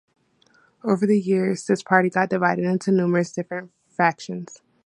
Over the years this party got divided into numerous different factions.